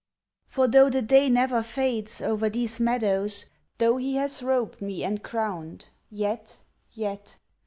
"For tho' the day never fades Over these meadows, Tho' He has robed me and crowned yet, yet!